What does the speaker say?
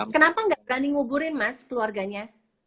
kenapa nggak berani nguburin mas keluarganya